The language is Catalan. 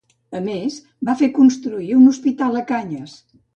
A més, va fer construir un hospital a Cañas.